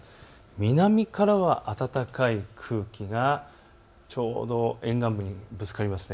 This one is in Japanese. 南からは暖かい空気がちょうど沿岸部にぶつかります。